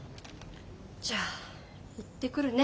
じゃあ行ってくるね。